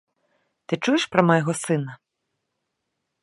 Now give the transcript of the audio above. Ты чуеш пра майго сына?